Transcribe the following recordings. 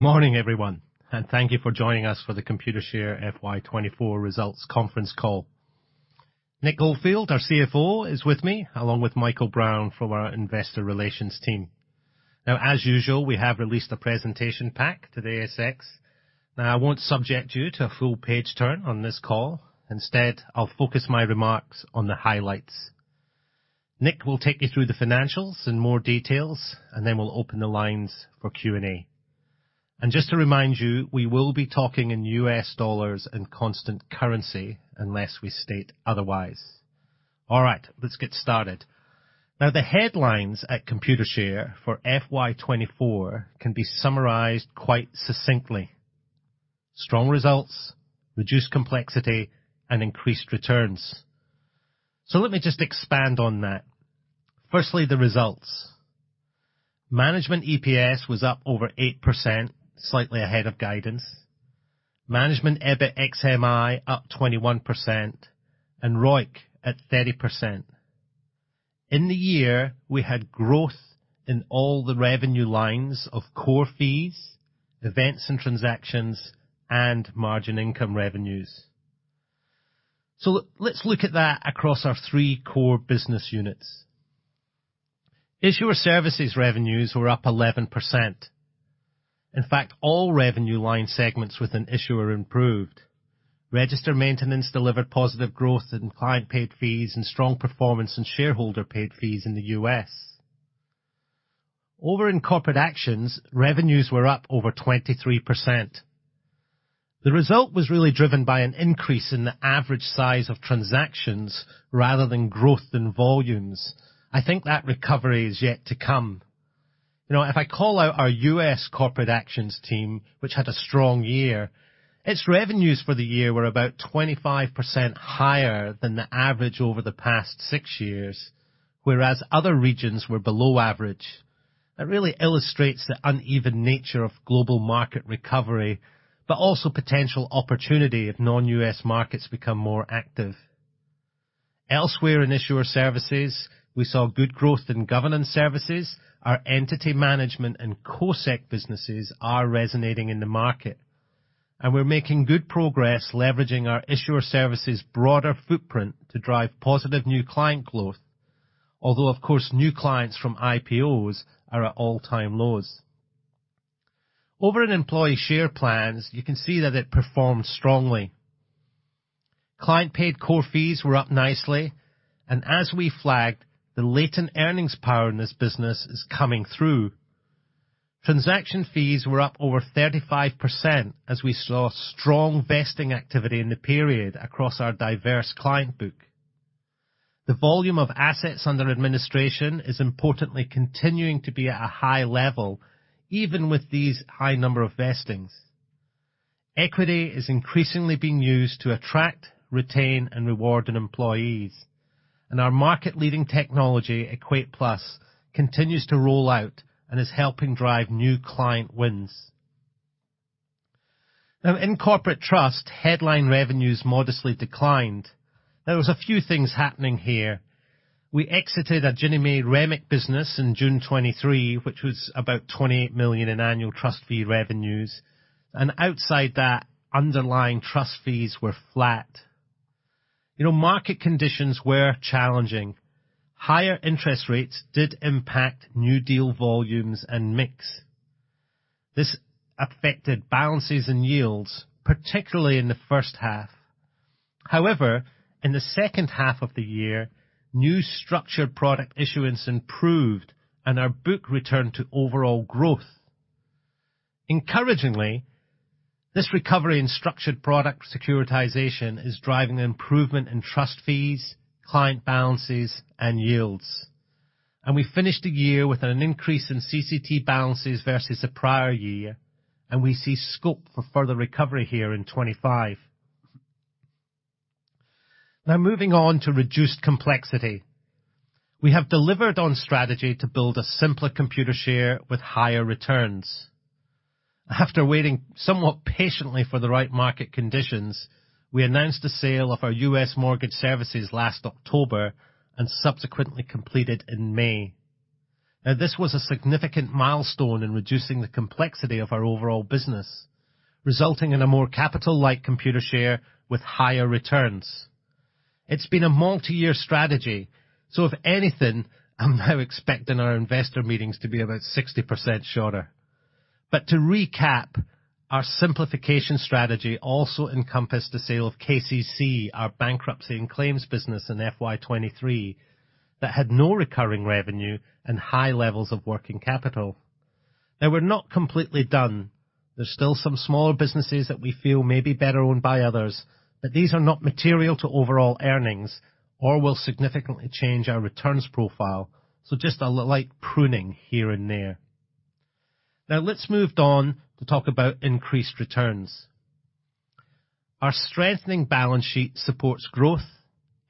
Morning, everyone, and thank you for joining us for the Computershare FY 2024 results conference call. Nick Oldfield, our CFO, is with me, along with Michael Brown from our investor relations team. Now, as usual, we have released a presentation pack to the ASX. Now, I won't subject you to a full page turn on this call. Instead, I'll focus my remarks on the highlights. Nick will take you through the financials in more details, and then we'll open the lines for Q&A. Just to remind you, we will be talking in U.S. dollars and constant currency unless we state otherwise. All right, let's get started. Now, the headlines at Computershare for FY 2024 can be summarized quite succinctly: strong results, reduced complexity, and increased returns. So let me just expand on that. Firstly, the results. Management EPS was up over 8%, slightly ahead of guidance. Management EBIT ex MI up 21% and ROIC at 30%. In the year, we had growth in all the revenue lines of core fees, events and transactions, and Margin Income revenues. So let's look at that across our three core business units. Issuer Services revenues were up 11%. In fact, all revenue line segments with an issuer improved. Register Maintenance delivered positive growth in client paid fees and strong performance and shareholder paid fees in the U.S. Over in Corporate Actions, revenues were up over 23%. The result was really driven by an increase in the average size of transactions rather than growth in volumes. I think that recovery is yet to come. You know, if I call out our U.S. Corporate Actions team, which had a strong year, its revenues for the year were about 25% higher than the average over the past six years, whereas other regions were below average. That really illustrates the uneven nature of global market recovery, but also potential opportunity if non-U.S. markets become more active. Elsewhere in Issuer Services, we saw good growth in Governance Services. Our Entity Management and CoSec businesses are resonating in the market, and we're making good progress leveraging our Issuer Services broader footprint to drive positive new client growth. Although, of course, new clients from IPOs are at all-time lows. Over in Employee Share Plans, you can see that it performed strongly. Client-paid core fees were up nicely, and as we flagged, the latent earnings power in this business is coming through. Transaction fees were up over 35% as we saw strong vesting activity in the period across our diverse client book. The volume of assets under administration is importantly continuing to be at a high level, even with these high number of vestings. Equity is increasingly being used to attract, retain, and reward in employees, and our market-leading technology, EquatePlus, continues to roll out and is helping drive new client wins. Now, in Corporate Trust, headline revenues modestly declined. There was a few things happening here. We exited a Ginnie Mae REMIC business in June 2023, which was about $28 million in annual trust fee revenues, and outside that, underlying trust fees were flat. You know, market conditions were challenging. Higher interest rates did impact new deal volumes and mix. This affected balances and yields, particularly in the first half. However, in the second half of the year, new structured product issuance improved and our book returned to overall growth. Encouragingly, this recovery in structured product securitization is driving an improvement in trust fees, client balances, and yields. We finished the year with an increase in CCT balances versus the prior year, and we see scope for further recovery here in 2025. Now, moving on to reduced complexity. We have delivered on strategy to build a simpler Computershare with higher returns. After waiting somewhat patiently for the right market conditions, we announced the sale of our U.S. Mortgage Services last October and subsequently completed in May. Now, this was a significant milestone in reducing the complexity of our overall business, resulting in a more capital-like Computershare with higher returns. It's been a multi-year strategy, so if anything, I'm now expecting our investor meetings to be about 60% shorter. But to recap, our simplification strategy also encompassed the sale of KCC, our bankruptcy and claims business in FY 2023, that had no recurring revenue and high levels of working capital. Now, we're not completely done. There's still some smaller businesses that we feel may be better owned by others, but these are not material to overall earnings or will significantly change our returns profile. So just a light pruning here and there. Now, let's move on to talk about increased returns. Our strengthening balance sheet supports growth,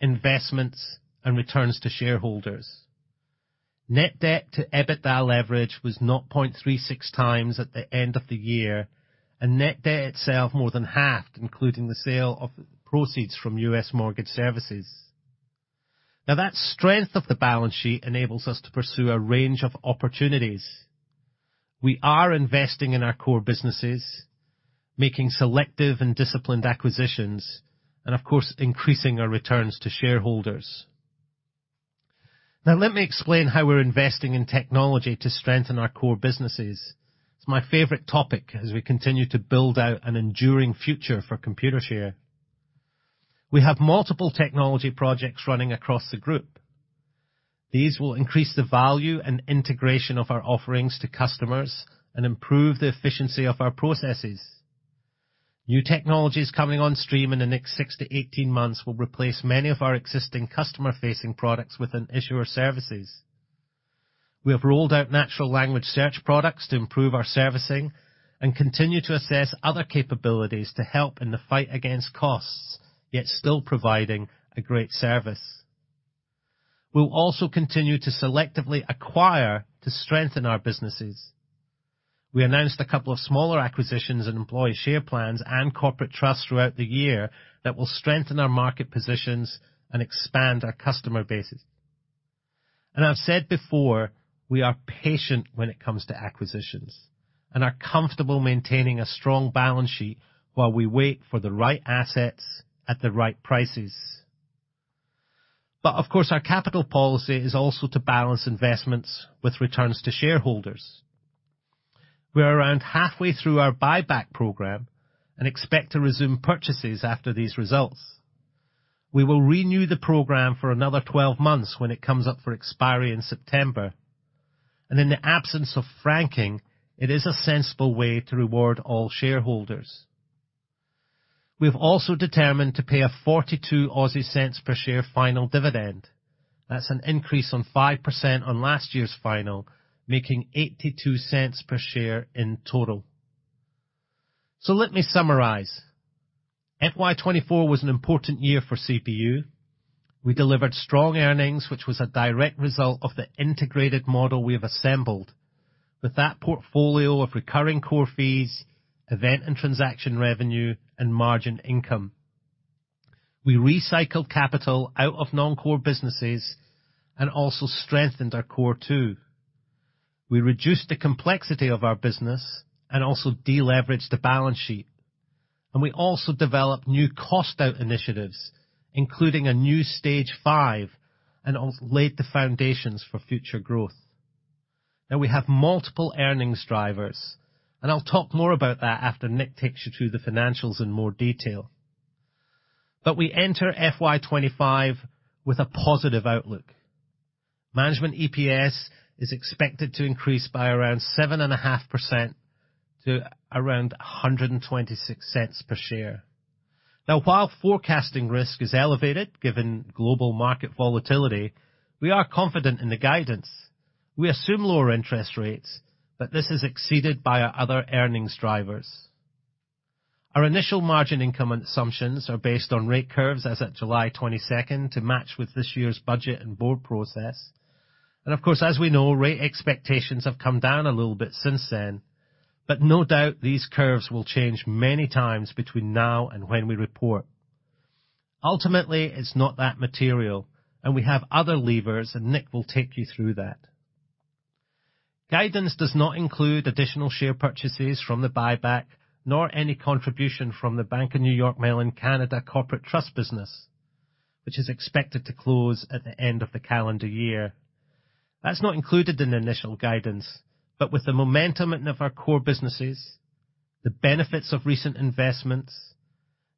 investments, and returns to shareholders. Net debt to EBITDA leverage was 0.36 times at the end of the year, and net debt itself more than halved, including the sale of proceeds from U.S. Mortgage Services. Now, that strength of the balance sheet enables us to pursue a range of opportunities. We are investing in our core businesses, making selective and disciplined acquisitions, and of course, increasing our returns to shareholders. Now, let me explain how we're investing in technology to strengthen our core businesses. It's my favorite topic as we continue to build out an enduring future for Computershare. We have multiple technology projects running across the group. These will increase the value and integration of our offerings to customers and improve the efficiency of our processes. New technologies coming on stream in the next 6-18 months will replace many of our existing customer-facing products within Issuer Services. We have rolled out natural language search products to improve our servicing and continue to assess other capabilities to help in the fight against costs, yet still providing a great service. We'll also continue to selectively acquire to strengthen our businesses. We announced a couple of smaller acquisitions in Employee Share Plans and Corporate Trusts throughout the year that will strengthen our market positions and expand our customer bases. I've said before, we are patient when it comes to acquisitions, and are comfortable maintaining a strong balance sheet while we wait for the right assets at the right prices. Of course, our capital policy is also to balance investments with returns to shareholders. We are around halfway through our buyback program and expect to resume purchases after these results. We will renew the program for another 12 months when it comes up for expiry in September, and in the absence of franking, it is a sensible way to reward all shareholders. We have also determined to pay 0.42 per share final dividend. That's an increase of 5% on last year's final, making 0.82 per share in total. So let me summarize. FY 2024 was an important year for CPU. We delivered strong earnings, which was a direct result of the integrated model we have assembled. With that portfolio of recurring core fees, event and transaction revenue, and Margin Income. We recycled capital out of non-core businesses and also strengthened our core, too. We reduced the complexity of our business and also deleveraged the balance sheet, and we also developed new cost-out initiatives, including a new Stage Five, and also laid the foundations for future growth. Now, we have multiple earnings drivers, and I'll talk more about that after Nick takes you through the financials in more detail. But we enter FY 2025 with a positive outlook. Management EPS is expected to increase by around 7.5% to around $1.26 per share. Now, while forecasting risk is elevated, given global market volatility, we are confident in the guidance. We assume lower interest rates, but this is exceeded by our other earnings drivers. Our initial Margin Income assumptions are based on rate curves as at July 22 to match with this year's budget and board process, and of course, as we know, rate expectations have come down a little bit since then, but no doubt, these curves will change many times between now and when we report. Ultimately, it's not that material, and we have other levers, and Nick will take you through that. Guidance does not include additional share purchases from the buyback, nor any contribution from the Bank of New York Mellon Canada Corporate Trust business, which is expected to close at the end of the calendar year. That's not included in the initial guidance, but with the momentum of our core businesses, the benefits of recent investments,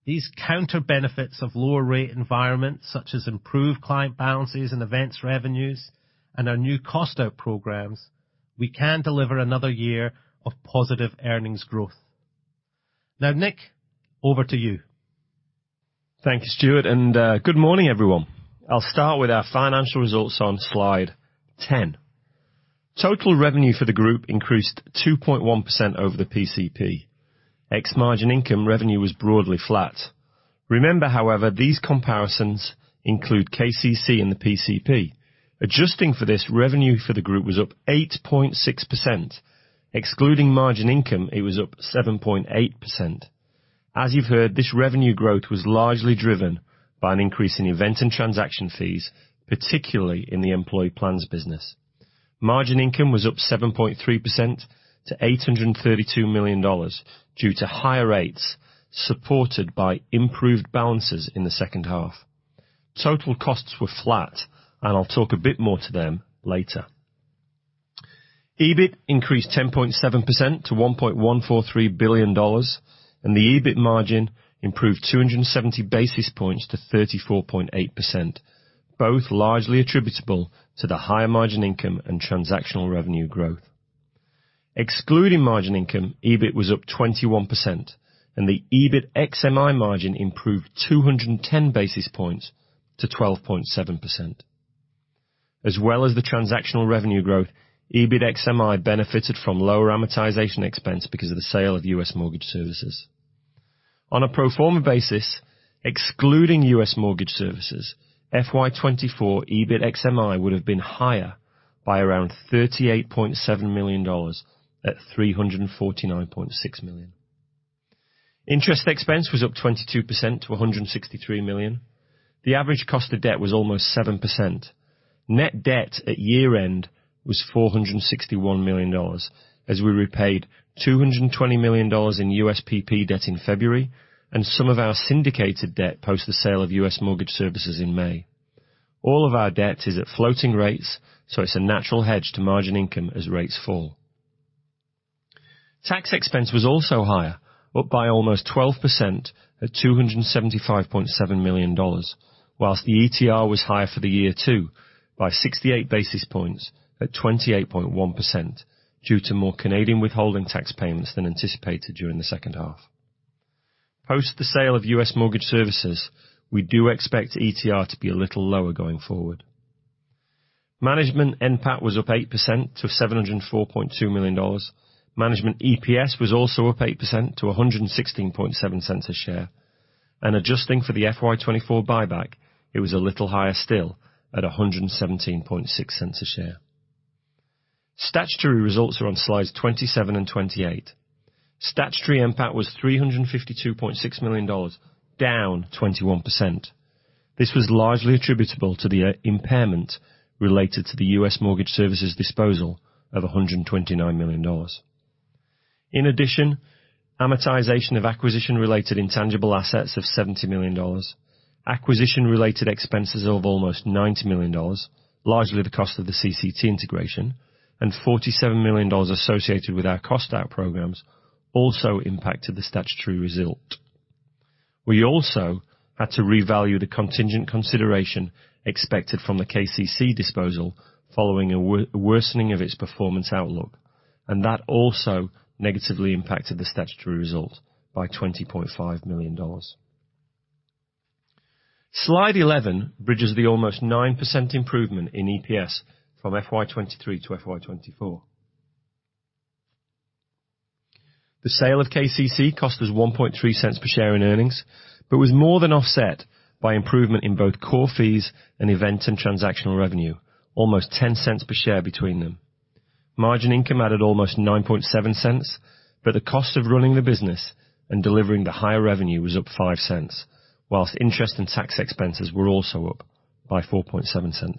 these counter benefits of lower rate environments, such as improved client balances and events revenues and our new cost out programs, we can deliver another year of positive earnings growth. Now, Nick, over to you. Thank you, Stuart, and good morning, everyone. I'll start with our financial results on slide 10. Total revenue for the group increased 2.1% over the PCP. Ex Margin Income revenue was broadly flat. Remember, however, these comparisons include KCC and the PCP. Adjusting for this, revenue for the group was up 8.6%. Excluding Margin Income, it was up 7.8%. As you've heard, this revenue growth was largely driven by an increase in event and transaction fees, particularly in the employee plans business. Margin income was up 7.3% to $832 million due to higher rates, supported by improved balances in the second half. Total costs were flat, and I'll talk a bit more to them later. EBIT increased 10.7% to $1.143 billion, and the EBIT margin improved 270 basis points to 34.8%, both largely attributable to the higher Margin Income and transactional revenue growth. Excluding Margin Income, EBIT was up 21%, and the EBIT ex MI margin improved 210 basis points to 12.7%. As well as the transactional revenue growth, EBIT ex MI benefited from lower amortization expense because of the sale of U.S. Mortgage Services. On a pro forma basis, excluding U.S. Mortgage Services, FY 2024 EBIT ex MI would have been higher by around $38.7 million at $349.6 million. Interest expense was up 22% to $163 million. The average cost of debt was almost 7%. Net debt at year-end was $461 million, as we repaid $220 million in USPP debt in February, and some of our syndicated debt post the sale of U.S. Mortgage Services in May. All of our debt is at floating rates, so it's a natural hedge to Margin Income as rates fall. Tax expense was also higher, up by almost 12% at $275.7 million, while the ETR was higher for the year, too, by 68 basis points at 28.1%, due to more Canadian withholding tax payments than anticipated during the second half. Post the sale of U.S. Mortgage Services, we do expect ETR to be a little lower going forward. Management NPAT was up 8% to $704.2 million. Management EPS was also up 8% to $1.167 per share, and adjusting for the FY 2024 buyback, it was a little higher still at $1.176 per share. Statutory results are on slides 27 and 28. Statutory NPAT was $352.6 million, down 21%. This was largely attributable to the impairment related to the U.S. Mortgage Services disposal of $129 million. In addition, amortization of acquisition-related intangible assets of $70 million, acquisition-related expenses of almost $90 million, largely the cost of the CCT integration, and $47 million associated with our cost out programs also impacted the statutory result. We also had to revalue the contingent consideration expected from the KCC disposal, following a worsening of its performance outlook, and that also negatively impacted the statutory result by $20.5 million. Slide 11 bridges the almost 9% improvement in EPS from FY 2023 to FY 2024. The sale of KCC cost us $0.013 per share in earnings, but was more than offset by improvement in both core fees and events and transactional revenue, almost $0.10 per share between them. Margin income added almost $0.097, but the cost of running the business and delivering the higher revenue was up $0.05, while interest and tax expenses were also up by $0.047.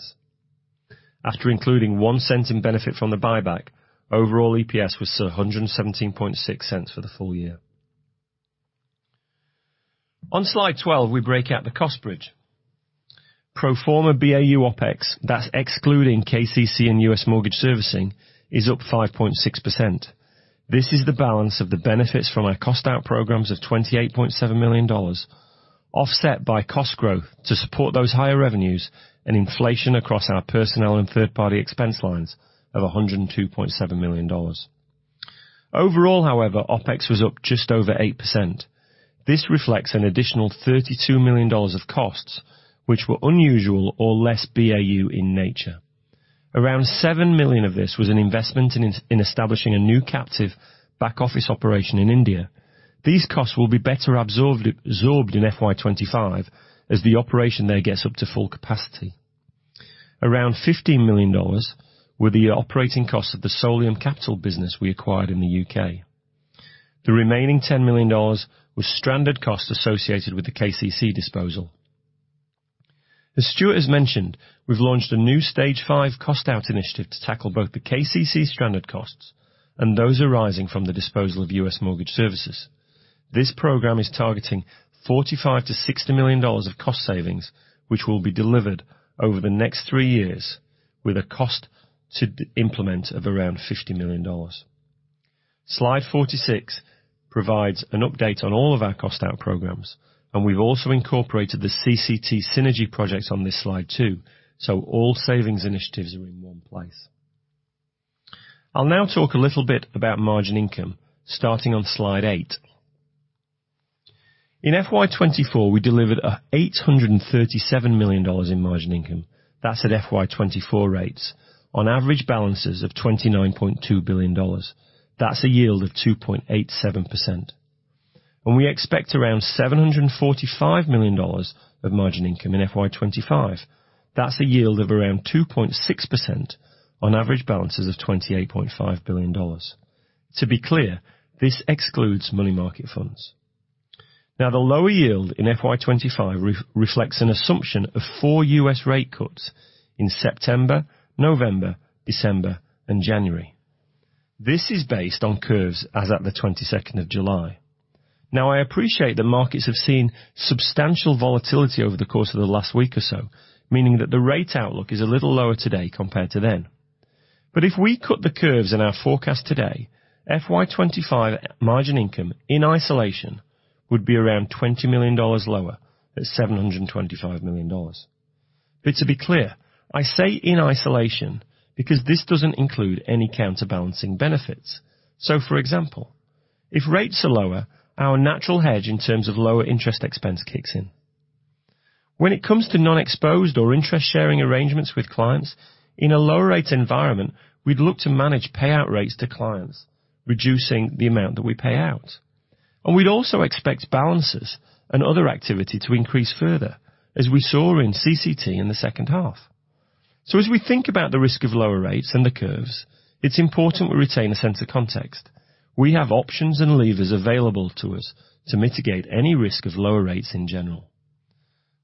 After including $0.01 in benefit from the buyback, overall EPS was still $1.176 for the full year. On Slide 12, we break out the cost bridge. Pro forma BAU OpEx, that's excluding KCC and U.S. Mortgage Servicing, is up 5.6%. This is the balance of the benefits from our cost out programs of $28.7 million, offset by cost growth to support those higher revenues and inflation across our personnel and third-party expense lines of $102.7 million. Overall, however, OpEx was up just over 8%. This reflects an additional $32 million of costs, which were unusual or less BAU in nature. Around $7 million of this was an investment in establishing a new captive back-office operation in India. These costs will be better absorbed in FY 2025 as the operation there gets up to full capacity. Around $15 million were the operating costs of the Solium Capital business we acquired in the U.K.. The remaining $10 million was stranded costs associated with the KCC disposal. As Stuart has mentioned, we've launched a new Stage Five cost out initiative to tackle both the KCC stranded costs and those arising from the disposal of U.S. Mortgage Services. This program is targeting $45 million-$60 million of cost savings, which will be delivered over the next three years with a cost to implement of around $50 million. Slide 46 provides an update on all of our cost out programs, and we've also incorporated the CCT synergy projects on this slide, too, so all savings initiatives are in one place. I'll now talk a little bit about Margin Income, starting on slide 8. In FY 2024, we delivered $837 million in Margin Income. That's at FY 2024 rates on average balances of $29.2 billion. That's a yield of 2.87%. We expect around $745 million of Margin Income in FY 2025. That's a yield of around 2.6% on average balances of $28.5 billion. To be clear, this excludes money market funds. Now, the lower yield in FY 2025 reflects an assumption of four U.S. rate cuts in September, November, December and January. This is based on curves as at the 22nd of July. Now, I appreciate that markets have seen substantial volatility over the course of the last week or so, meaning that the rate outlook is a little lower today compared to then. But if we cut the curves in our forecast today, FY 2025 Margin Income, in isolation, would be around $20 million lower at $725 million. But to be clear, I say in isolation, because this doesn't include any counterbalancing benefits. So, for example, if rates are lower, our natural hedge in terms of lower interest expense kicks in. When it comes to non-exposed or interest sharing arrangements with clients, in a lower rate environment, we'd look to manage payout rates to clients, reducing the amount that we pay out. And we'd also expect balances and other activity to increase further, as we saw in CCT in the second half.... So as we think about the risk of lower rates and the curves, it's important we retain a sense of context. We have options and levers available to us to mitigate any risk of lower rates in general.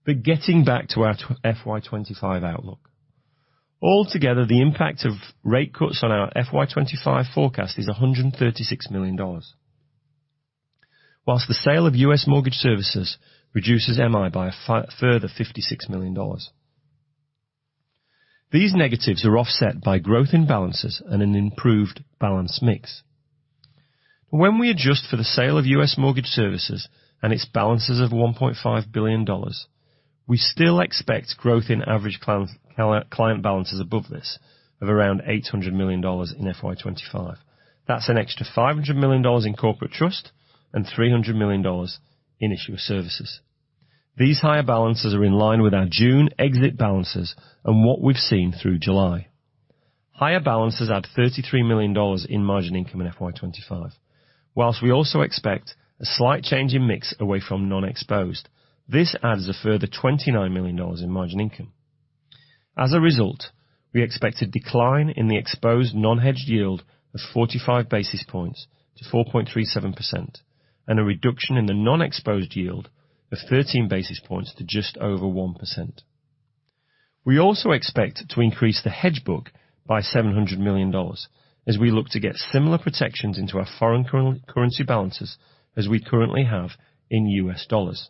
But getting back to our FY 2025 outlook, altogether, the impact of rate cuts on our FY 2025 forecast is $136 million. While the sale of U.S. Mortgage Services reduces MI by a further $56 million. These negatives are offset by growth in balances and an improved balance mix. When we adjust for the sale of U.S. Mortgage Services and its balances of $1.5 billion, we still expect growth in average client balances above this, of around $800 million in FY 2025. That's an extra $500 million in Corporate Trust and $300 million in Issuer Services. These higher balances are in line with our June exit balances and what we've seen through July. Higher balances add $33 million in Margin Income in FY 2025. While we also expect a slight change in mix away from non-exposed, this adds a further $29 million in Margin Income. As a result, we expect a decline in the exposed non-hedged yield of 45 basis points to 4.37%, and a reduction in the non-exposed yield of 13 basis points to just over 1%. We also expect to increase the hedge book by $700 million as we look to get similar protections into our foreign currency balances as we currently have in U.S. dollars.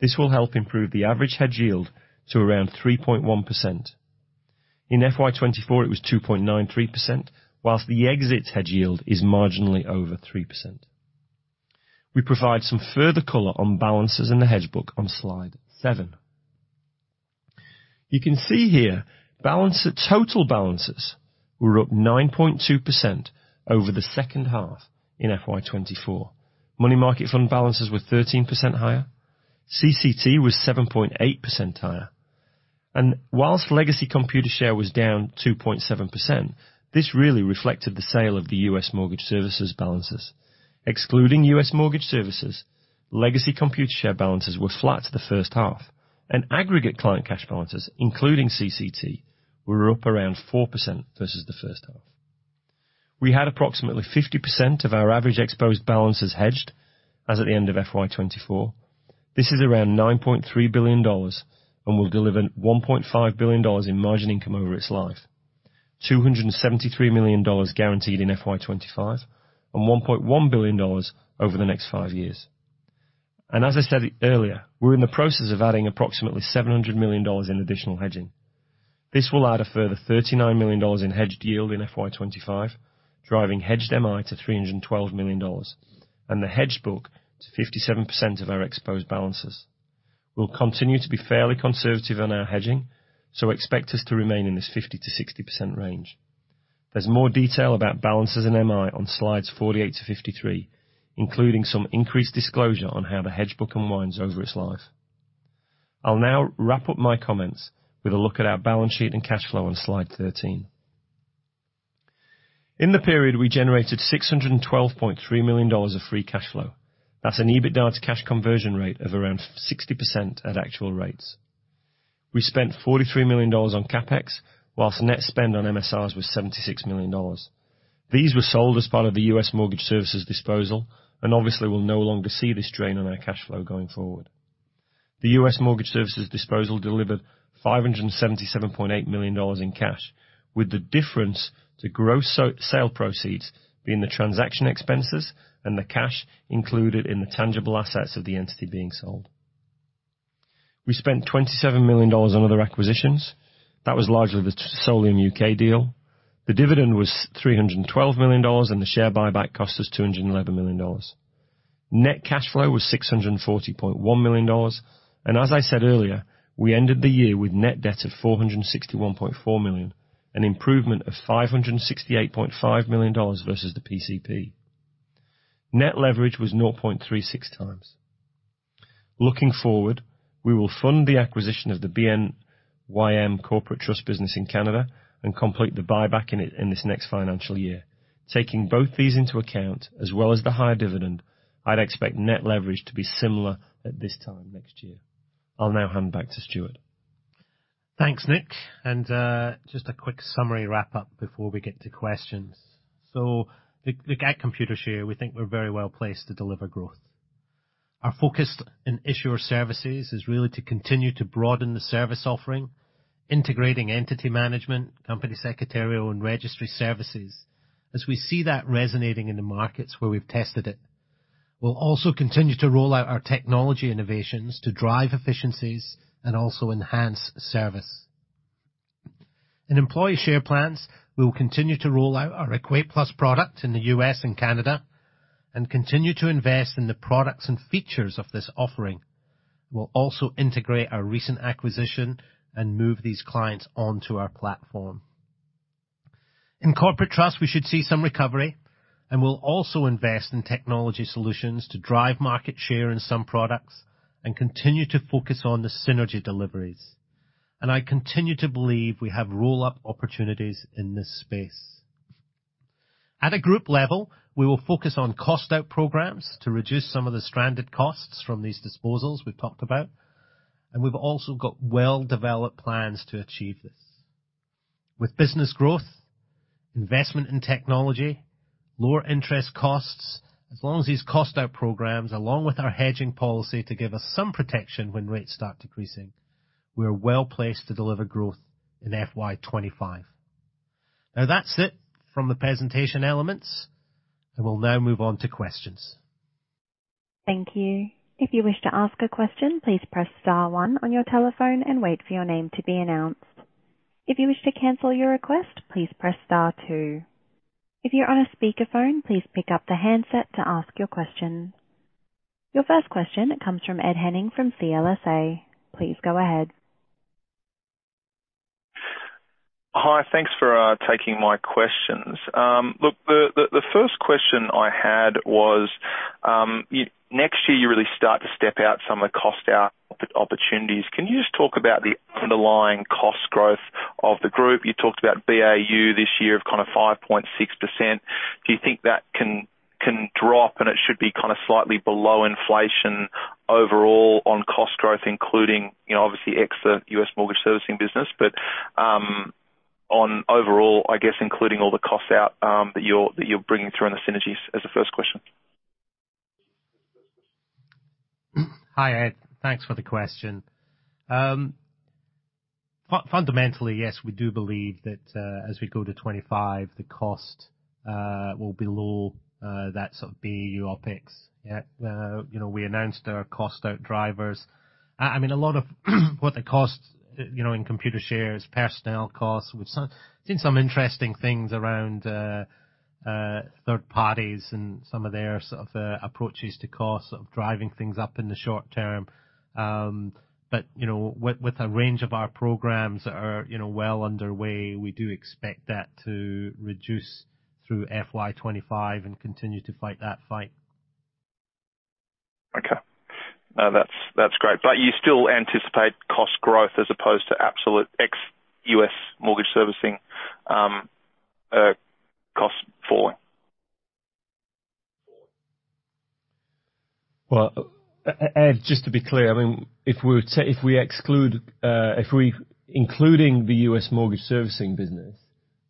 This will help improve the average hedge yield to around 3.1%. In FY 2024, it was 2.93%, while the exit hedge yield is marginally over 3%. We provide some further color on balances in the hedge book on slide 7. You can see here, balances of total balances were up 9.2% over the second half in FY 2024. Money market fund balances were 13% higher, CCT was 7.8% higher, and while legacy Computershare was down 2.7%, this really reflected the sale of the U.S. Mortgage Services balances. Excluding U.S. Mortgage Services, legacy Computershare balances were flat to the first half, and aggregate client cash balances, including CCT, were up around 4% versus the first half. We had approximately 50% of our average exposed balances hedged as at the end of FY 2024. This is around $9.3 billion, and we've delivered $1.5 billion in Margin Income over its life. $273 million guaranteed in FY 2025, and $1.1 billion over the next five years. And as I said earlier, we're in the process of adding approximately $700 million in additional hedging. This will add a further $39 million in hedged yield in FY 2025, driving hedged MI to $312 million, and the hedged book to 57% of our exposed balances. We'll continue to be fairly conservative on our hedging, so expect us to remain in this 50%-60% range. There's more detail about balances in MI on slides 48-53, including some increased disclosure on how the hedge book unwinds over its life. I'll now wrap up my comments with a look at our balance sheet and cash flow on slide 13. In the period, we generated $612.3 million of free cash flow. That's an EBITDA to cash conversion rate of around 60% at actual rates. We spent $43 million on CapEx, while net spend on MSRs was $76 million. These were sold as part of the U.S. Mortgage Services disposal, and obviously, we'll no longer see this drain on our cash flow going forward. The U.S. Mortgage Services disposal delivered $577.8 million in cash, with the difference to gross sale proceeds being the transaction expenses and the cash included in the tangible assets of the entity being sold. We spent $27 million on other acquisitions. That was largely the Solium U.K. deal. The dividend was $312 million, and the share buyback cost us $211 million. Net cash flow was $640.1 million, and as I said earlier, we ended the year with net debt of $461.4 million, an improvement of $568.5 million versus the PCP. Net leverage was 0.36 times. Looking forward, we will fund the acquisition of the BNYM Corporate Trust business in Canada and complete the buyback in it in this next financial year. Taking both these into account, as well as the higher dividend, I'd expect net leverage to be similar at this time next year. I'll now hand back to Stuart. Thanks, Nick, and just a quick summary wrap-up before we get to questions. So at Computershare, we think we're very well placed to deliver growth. Our focus in Issuer Services is really to continue to broaden the service offering, integrating Entity Management, Company Secretarial, and registry services, as we see that resonating in the markets where we've tested it. We'll also continue to roll out our technology innovations to drive efficiencies and also enhance service. In Employee Share Plans, we will continue to roll out our EquatePlus product in the U.S. and Canada and continue to invest in the products and features of this offering. We'll also integrate our recent acquisition and move these clients onto our platform. In Corporate Trust, we should see some recovery, and we'll also invest in technology solutions to drive market share in some products and continue to focus on the synergy deliveries. I continue to believe we have roll-up opportunities in this space.... At a group level, we will focus on cost out programs to reduce some of the stranded costs from these disposals we've talked about, and we've also got well-developed plans to achieve this. With business growth, investment in technology, lower interest costs, as long as these cost out programs, along with our hedging policy to give us some protection when rates start decreasing, we are well placed to deliver growth in FY 2025. Now, that's it from the presentation elements, and we'll now move on to questions. Thank you. If you wish to ask a question, please press star one on your telephone and wait for your name to be announced. If you wish to cancel your request, please press star two. If you're on a speakerphone, please pick up the handset to ask your question. Your first question comes from Ed Henning from CLSA. Please go ahead. Hi, thanks for taking my questions. Look, the first question I had was, you-- next year, you really start to step out some of the cost out opportunities. Can you just talk about the underlying cost growth of the group? You talked about BAU this year of kind of 5.6%. Do you think that can drop, and it should be kind of slightly below inflation overall on cost growth, including, you know, obviously, ex the U.S. mortgage servicing business, but, on overall, I guess, including all the costs out that you're bringing through in the synergies, as a first question. Hi, Ed. Thanks for the question. Fundamentally, yes, we do believe that, as we go to 25, the cost will be below that sort of BAU OpEx. Yeah, you know, we announced our cost out drivers. I mean, a lot of what the costs, you know, in Computershare, personnel costs, we've seen some interesting things around third parties and some of their sort of approaches to cost of driving things up in the short term. But, you know, with a range of our programs that are, you know, well underway, we do expect that to reduce through FY 2025 and continue to fight that fight. Okay. That's, that's great. But you still anticipate cost growth as opposed to absolute ex U.S. mortgage servicing, cost falling? Well, Ed, just to be clear, I mean, if we including the U.S. mortgage servicing business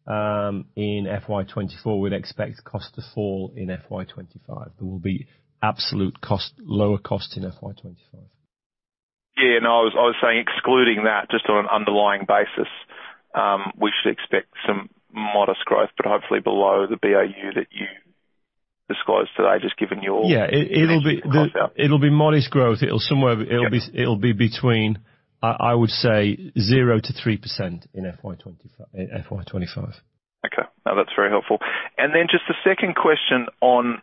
in FY 2024, we'd expect cost to fall in FY 2025. There will be absolute cost, lower cost in FY 2025. Yeah, no, I was saying, excluding that, just on an underlying basis, we should expect some modest growth, but hopefully below the BAU that you disclosed today, just given your- Yeah, it'll be- Cost out. It'll be modest growth. It'll somewhere- Yeah. It'll be between, I would say 0%-3% in FY 2025. Okay. No, that's very helpful. Then just a second question on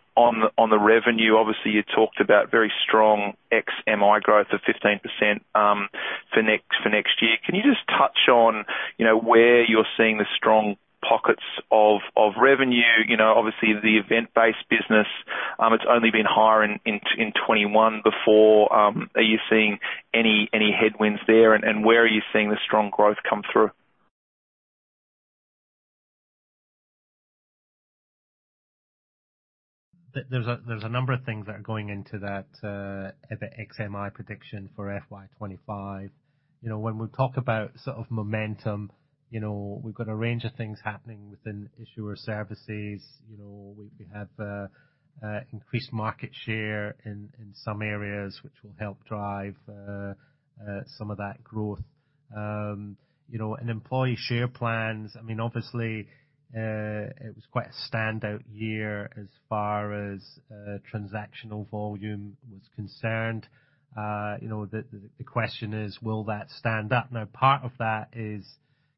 the revenue. Obviously, you talked about very strong ex MI growth of 15% for next year. Can you just touch on, you know, where you're seeing the strong pockets of revenue? You know, obviously, the event-based business, it's only been higher in 2021 before. Are you seeing any headwinds there, and where are you seeing the strong growth come through? There's a number of things that are going into that, the ex-MI prediction for FY 2025. You know, when we talk about sort of momentum, you know, we've got a range of things happening within Issuer Services. You know, we have increased market share in some areas, which will help drive some of that growth. You know, and Employee Share Plans, I mean, obviously, it was quite a standout year as far as transactional volume was concerned. You know, the question is: Will that stand up? Now, part of that is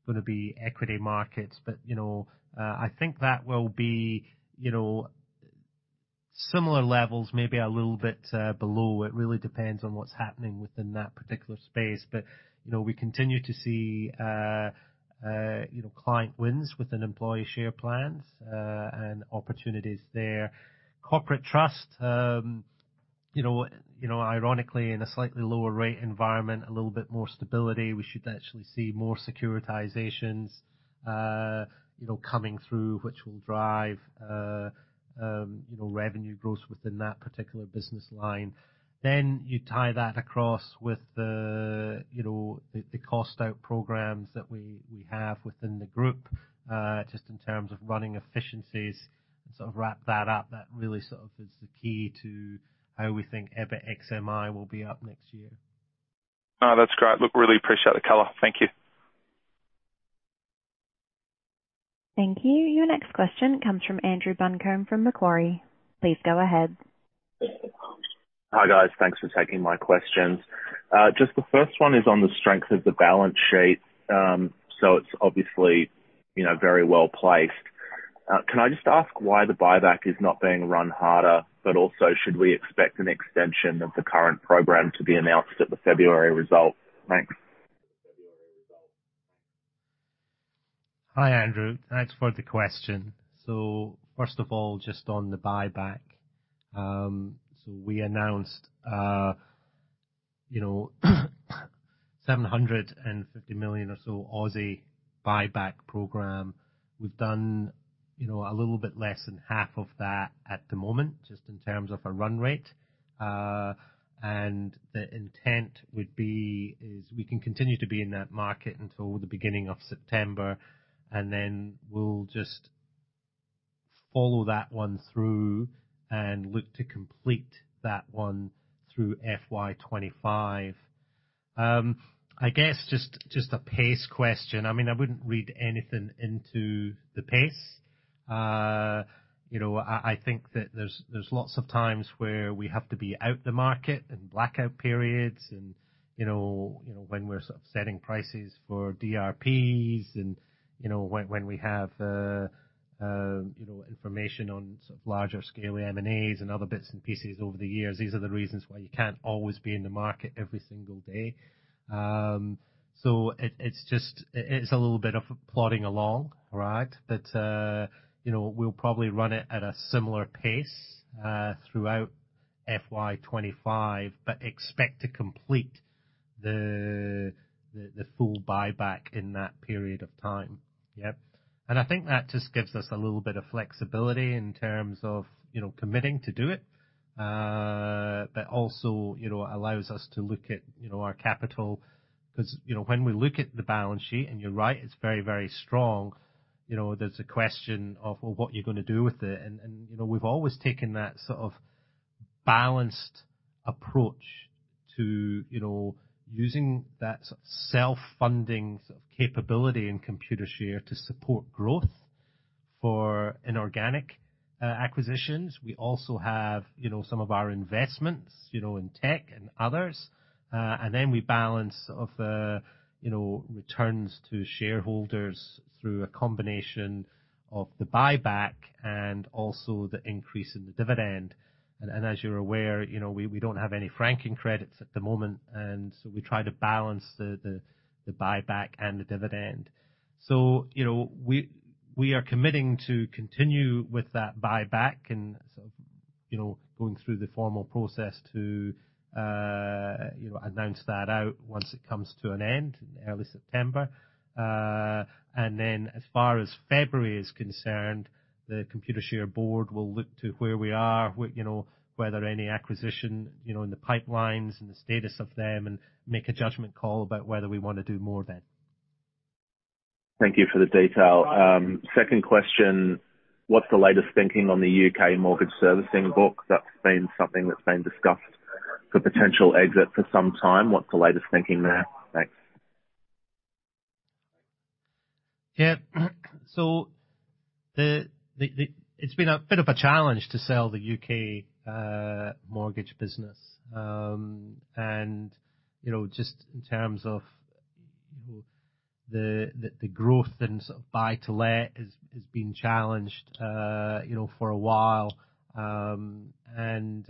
gonna be equity markets, but, you know, I think that will be, you know, similar levels, maybe a little bit below. It really depends on what's happening within that particular space. But, you know, we continue to see, you know, client wins within Employee Share Plans, and opportunities there. Corporate trust, you know, ironically, in a slightly lower rate environment, a little bit more stability, we should actually see more securitizations, you know, coming through, which will drive, you know, revenue growth within that particular business line. Then you tie that across with the, you know, the cost out programs that we have within the group, just in terms of running efficiencies and sort of wrap that up. That really sort of is the key to how we think EBIT ex MI will be up next year. Oh, that's great. Look, really appreciate the color. Thank you. Thank you. Your next question comes from Andrew Buncombe, from Macquarie. Please go ahead. Hi, guys. Thanks for taking my questions. Just the first one is on the strength of the balance sheet. So it's obviously, you know, very well placed. Can I just ask why the buyback is not being run harder, but also, should we expect an extension of the current program to be announced at the February result? Thanks. Hi, Andrew. Thanks for the question. So first of all, just on the buyback. So we announced, you know, 750 million or so buyback program. We've done, you know, a little bit less than half of that at the moment, just in terms of a run rate. And the intent would be, is we can continue to be in that market until the beginning of September, and then we'll just follow that one through and look to complete that one through FY 2025. I guess just, just a pace question. I mean, I wouldn't read anything into the pace. You know, I think that there's lots of times where we have to be out the market in blackout periods and, you know, you know, when we're sort of setting prices for DRPs and, you know, when we have, you know, information on sort of larger scale M&As and other bits and pieces over the years. These are the reasons why you can't always be in the market every single day. So it's just a little bit of plodding along, right? But, you know, we'll probably run it at a similar pace throughout FY 2025, but expect to complete the full buyback in that period of time. Yep. And I think that just gives us a little bit of flexibility in terms of, you know, committing to do it, but also, you know, allows us to look at, you know, our capital. 'Cause, you know, when we look at the balance sheet, and you're right, it's very, very strong, you know, there's a question of, well, what you're gonna do with it? And, and, you know, we've always taken that sort of balanced approach to, you know, using that self-funding sort of capability in Computershare to support growth for inorganic acquisitions. We also have, you know, some of our investments, you know, in tech and others. And then we balance of the, you know, returns to shareholders through a combination of the buyback and also the increase in the dividend. As you're aware, you know, we don't have any franking credits at the moment, and so we try to balance the buyback and the dividend. So, you know, we are committing to continue with that buyback and sort of, you know, going through the formal process to, you know, announce that out once it comes to an end in early September. And then as far as February is concerned, the Computershare board will look to where we are, what, you know, whether any acquisition, you know, in the pipelines and the status of them, and make a judgment call about whether we wanna do more then. Thank you for the detail. Second question: What's the latest thinking on the U.K. mortgage servicing book? That's been something that's been discussed, the potential exit, for some time. What's the latest thinking there? Thanks. Yeah. So it's been a bit of a challenge to sell the U.K. mortgage business. And you know, just in terms of you know, the growth and sort of buy-to-let has been challenged you know, for a while. And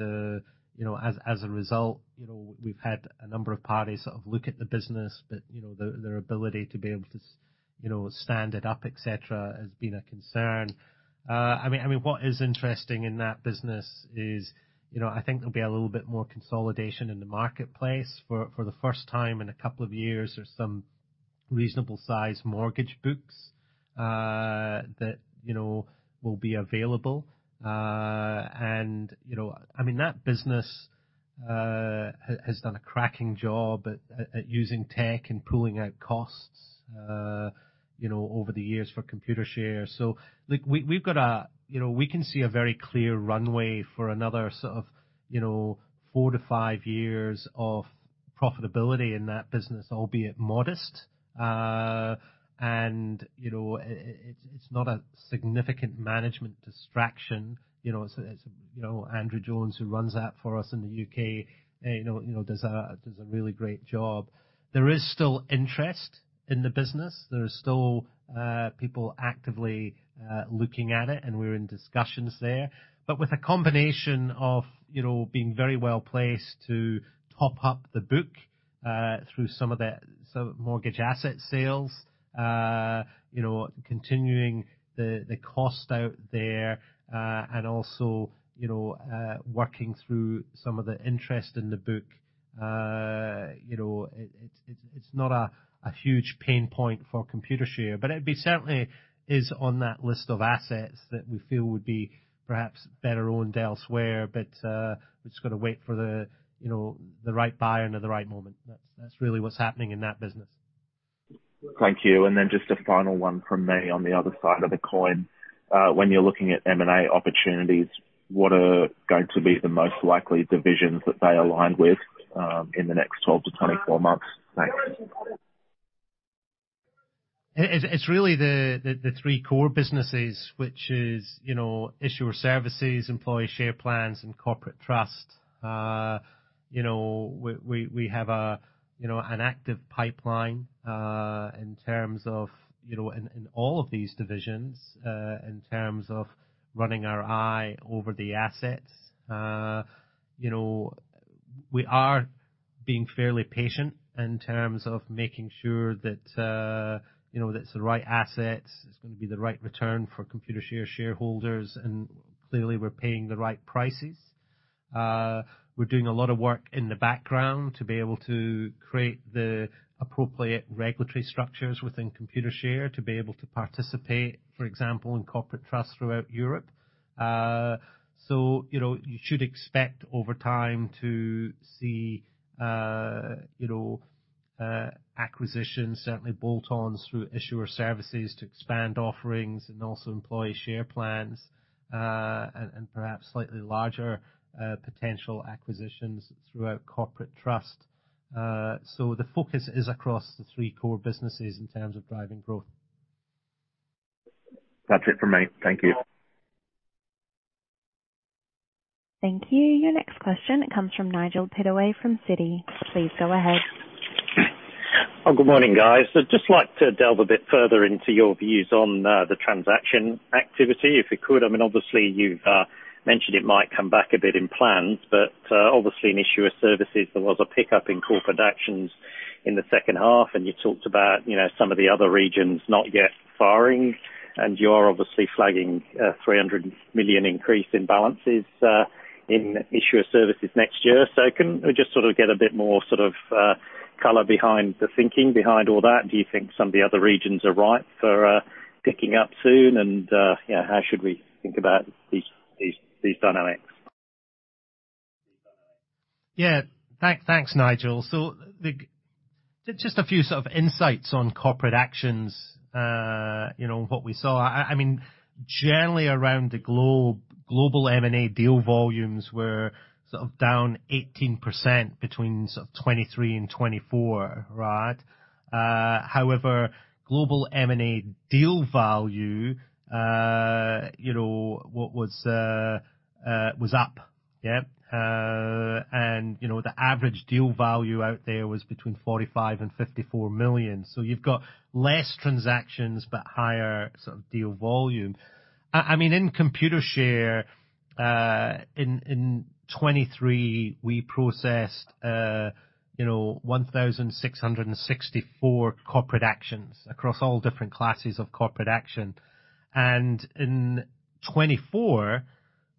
you know, as a result, you know, we've had a number of parties sort of look at the business, but you know, their ability to be able to you know, stand it up, et cetera, has been a concern. I mean, what is interesting in that business is you know, I think there'll be a little bit more consolidation in the marketplace. For the first time in a couple of years, there's some reasonable-sized mortgage books that you know, will be available. And, you know, I mean, that business has done a cracking job at using tech and pulling out costs, you know, over the years for Computershare. So look, we, we've got a... You know, we can see a very clear runway for another sort of, you know, 4-5 years of profitability in that business, albeit modest. And, you know, it, it's not a significant management distraction. You know, it's Andrew Jones, who runs that for us in the U.K., you know, does a really great job. There is still interest in the business. There are still people actively looking at it, and we're in discussions there. But with a combination of, you know, being very well placed to top up the book, through some of the mortgage asset sales, you know, continuing the cost out there, and also, you know, working through some of the interest in the book, you know, it's not a huge pain point for Computershare. But it certainly is on that list of assets that we feel would be perhaps better owned elsewhere, but we've just got to wait for, you know, the right buyer and at the right moment. That's really what's happening in that business. Thank you. And then just a final one from me on the other side of the coin. When you're looking at M&A opportunities, what are going to be the most likely divisions that they align with, in the next 12 to 24 months? Thanks. It's really the three core businesses, which is, you know, Issuer Services, Employee Share Plans, and Corporate Trust. You know, we have a, you know, an active pipeline in terms of, you know, in all of these divisions in terms of running our eye over the assets. You know, we are being fairly patient in terms of making sure that, you know, that it's the right assets, it's gonna be the right return for Computershare shareholders, and clearly, we're paying the right prices... We're doing a lot of work in the background to be able to create the appropriate regulatory structures within Computershare, to be able to participate, for example, in Corporate Trust throughout Europe. So, you know, you should expect over time to see, you know, acquisitions, certainly bolt-ons through Issuer Services to expand offerings and also Employee Share Plans, and perhaps slightly larger potential acquisitions throughout Corporate Trust. So the focus is across the three core businesses in terms of driving growth. That's it for me. Thank you. Thank you. Your next question comes from Nigel Pittaway from Citi. Please go ahead. Oh, good morning, guys. I'd just like to delve a bit further into your views on the transaction activity, if you could. I mean, obviously, you've mentioned it might come back a bit in plans, but obviously, in Issuer Services, there was a pickup in Corporate Actions in the second half, and you talked about, you know, some of the other regions not yet firing, and you are obviously flagging a $300 million increase in balances in Issuer Services next year. So can we just sort of get a bit more sort of color behind the thinking behind all that? Do you think some of the other regions are ripe for picking up soon? And, yeah, how should we think about these dynamics? Yeah. Thanks, Nigel. So just a few sort of insights on Corporate Actions, you know, what we saw. I mean, generally around the globe, global M&A deal volumes were sort of down 18% between 2023 and 2024, right? However, global M&A deal value, you know, what was, was up. Yeah. And, you know, the average deal value out there was between $45 million-$54 million. So you've got less transactions, but higher sort of deal volume. I mean, in Computershare, in 2023, we processed, you know, 1,664 Corporate Actions across all different classes of corporate action. And in 2024,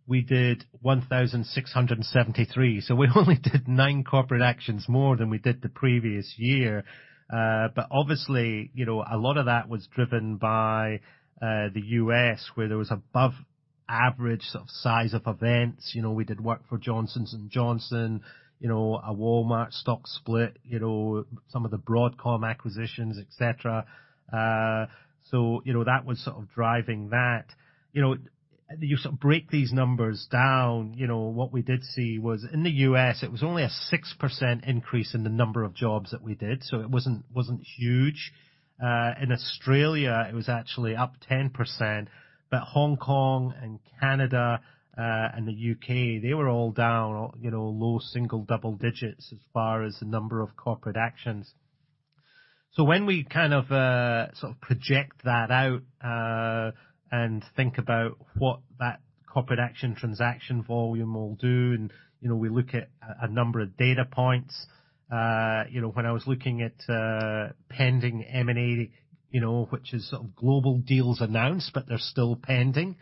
we did 1,673. So we only did nine Corporate Actions more than we did the previous year. But obviously, you know, a lot of that was driven by the U.S., where there was above average sort of size of events. You know, we did work for Johnson & Johnson, you know, a Walmart stock split, you know, some of the Broadcom acquisitions, et cetera. So, you know, that was sort of driving that. You know, you sort of break these numbers down, you know, what we did see was in the U.S., it was only a 6% increase in the number of jobs that we did, so it wasn't huge. In Australia, it was actually up 10%, but Hong Kong and Canada, and the U.K., they were all down, you know, low single, double digits as far as the number of Corporate Actions. So when we kind of sort of project that out and think about what that corporate action transaction volume will do, and you know we look at a number of data points you know when I was looking at pending M&A you know which is sort of global deals announced but they're still pending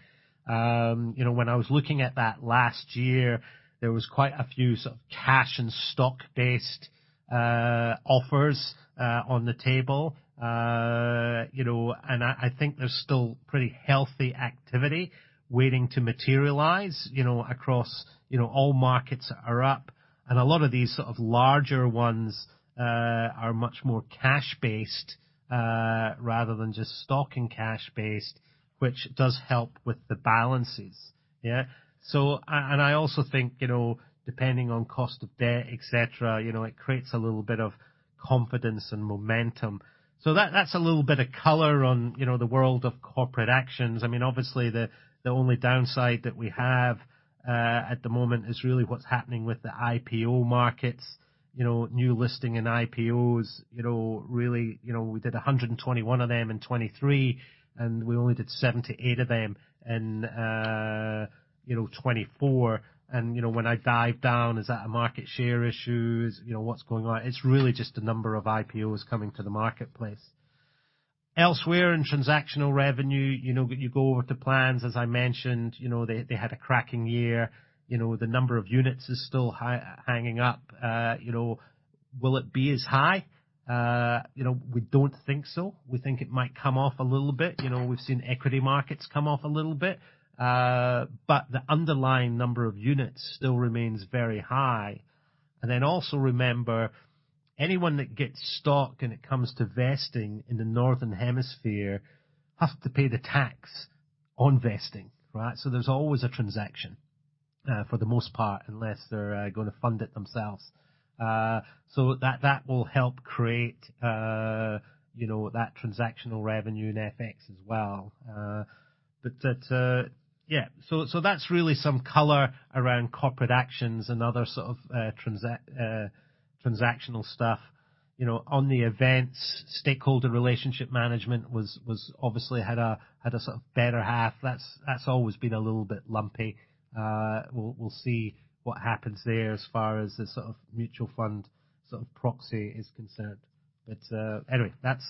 you know when I was looking at that last year there was quite a few sort of cash and stock-based offers on the table. You know and I think there's still pretty healthy activity waiting to materialize you know across you know all markets are up and a lot of these sort of larger ones are much more cash-based rather than just stock and cash-based which does help with the balances. Yeah? And I also think, you know, depending on cost of debt, et cetera, you know, it creates a little bit of confidence and momentum. So that's a little bit of color on, you know, the world of Corporate Actions. I mean, obviously, the only downside that we have at the moment is really what's happening with the IPO markets, you know, new listings and IPOs, you know, really, you know, we did 121 of them in 2023, and we only did 78 of them in 2024. And, you know, when I dive down, is that a market share issue? You know, what's going on? It's really just the number of IPOs coming to the marketplace. Elsewhere in transactional revenue, you know, you go over to plans, as I mentioned, you know, they had a cracking year. You know, the number of units is still high. You know, will it be as high? You know, we don't think so. We think it might come off a little bit. You know, we've seen equity markets come off a little bit, but the underlying number of units still remains very high. And then also remember, anyone that gets stock, and it comes to vesting in the Northern Hemisphere, has to pay the tax on vesting, right? So there's always a transaction for the most part, unless they're gonna fund it themselves. So that, that will help create you know, that transactional revenue in FX as well. But that... Yeah, so, so that's really some color around Corporate Actions and other sort of transactional stuff. You know, on the events, Stakeholder Relationship Management was obviously had a sort of better half. That's always been a little bit lumpy. We'll see what happens there as far as the sort of mutual fund sort of proxy is concerned. But, anyway, that's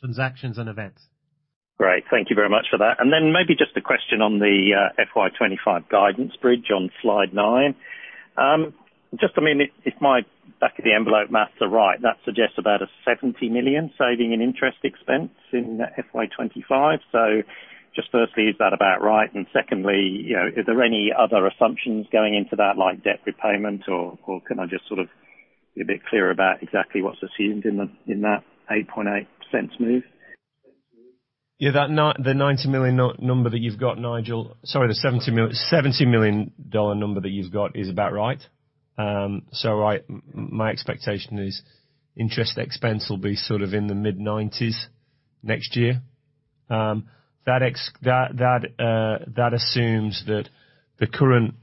transactions and events.... Great. Thank you very much for that. And then maybe just a question on the FY 2025 guidance bridge on slide 9. Just, I mean, if my back-of-the-envelope math is right, that suggests about a $70 million saving in interest expense in FY 2025. So just firstly, is that about right? And secondly, you know, are there any other assumptions going into that, like debt repayment, or can I just sort of be a bit clearer about exactly what's assumed in that 8.8% move? Yeah, that ninety million number that you've got, Nigel, sorry, the $70 million number that you've got is about right. So, my expectation is interest expense will be sort of in the mid-90s next year. That assumes that the current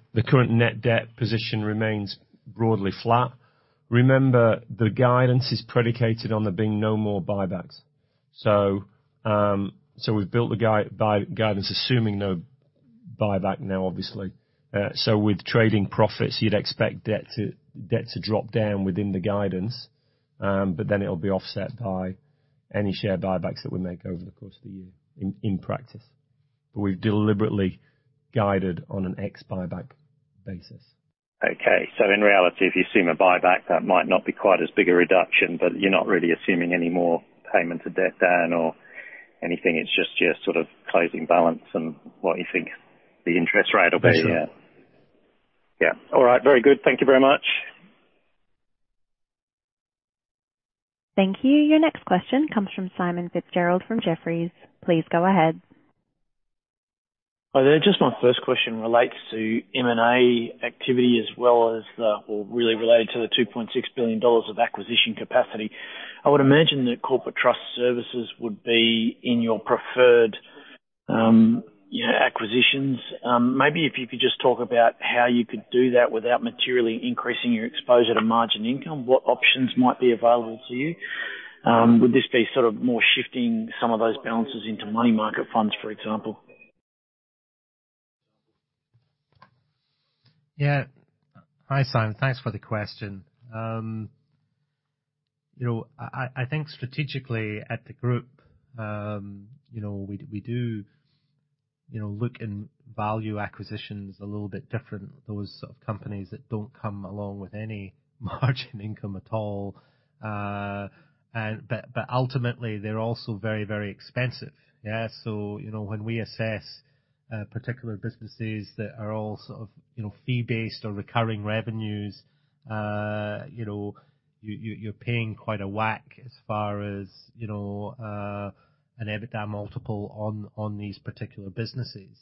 net debt position remains broadly flat. Remember, the guidance is predicated on there being no more buybacks. So, we've built the guidance, assuming no buyback now, obviously. So with trading profits, you'd expect debt to drop down within the guidance, but then it'll be offset by any share buybacks that we make over the course of the year, in practice. But we've deliberately guided on an ex-buyback basis. Okay. So in reality, if you assume a buyback, that might not be quite as big a reduction, but you're not really assuming any more payment to debt down or anything. It's just your sort of closing balance and what you think the interest rate will be. That's right. Yeah. All right. Very good. Thank you very much. Thank you. Your next question comes from Simon Fitzgerald from Jefferies. Please go ahead. Hi there. Just my first question relates to M&A activity as well as the... or really related to the $2.6 billion of acquisition capacity. I would imagine that Corporate Trust services would be in your preferred, yeah, acquisitions. Maybe if you could just talk about how you could do that without materially increasing your exposure to Margin Income, what options might be available to you? Would this be sort of more shifting some of those balances into money market funds, for example? Yeah. Hi, Simon. Thanks for the question. You know, I think strategically at the group, you know, we do, you know, look and value acquisitions a little bit different, those sort of companies that don't come along with any Margin Income at all. But ultimately, they're also very, very expensive. Yeah, so, you know, when we assess particular businesses that are all sort of, you know, fee-based or recurring revenues, you know, you're paying quite a whack as far as, you know, an EBITDA multiple on these particular businesses.